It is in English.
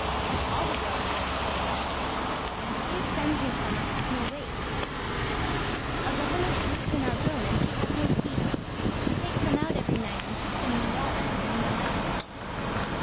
ALL THE GIRLS WEAR STAYS. PLEASE SEND ME SOME I HAVE NO WASTE. A GOVERNESS SLEEPS IN OUR ROOM AND SHE HAS NO TEETH. SHE TAKES THEM OUT EVERY NIGHT AND PUTS THEM IN WATER WHEN THE LIGHT IS OUT.